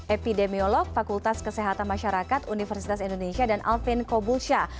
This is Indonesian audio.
epidemiolog fakultas kesehatan masyarakat universitas indonesia dan alvin kobulsya